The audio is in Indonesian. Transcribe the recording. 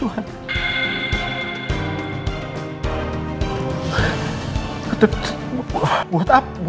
tuhan elsem buang nindi